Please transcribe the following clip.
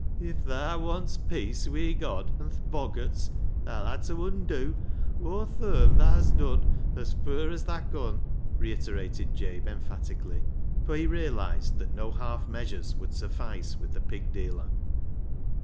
" If thaa wants peace wi' God an' th' boggarts, tha'll ha' ta undew aw th' herm tha's done, as fur as thaa con," reiterated Jabe emphatically, for he realised that no half measures would suffice with the pig dealer.